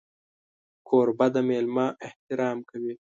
کوربه د مېلمه احترام کوي.